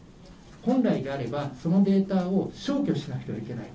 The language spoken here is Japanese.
本来であればそのデータを消去しなければいけない。